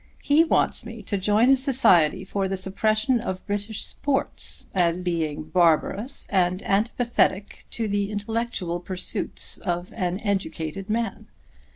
He wants me to join a society for the suppression of British sports as being barbarous and antipathetic to the intellectual pursuits of an educated man.